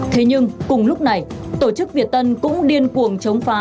thế nhưng cùng lúc này tổ chức việt tân cũng điên cuồng